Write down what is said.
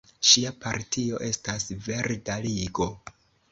Ŝia partio estas Verda Ligo.